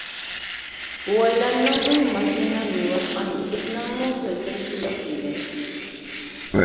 بوۋايلارنىڭمۇ، ماشىنا يۇيۇۋاتقان يىگىتنىڭمۇ كۆزلىرى شۇ ياقتا ئىدى.